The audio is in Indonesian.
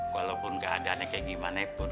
walaupun keadaannya kayak gimana pun